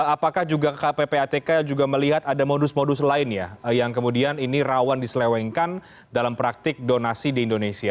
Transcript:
apakah juga ppatk juga melihat ada modus modus lain ya yang kemudian ini rawan diselewengkan dalam praktik donasi di indonesia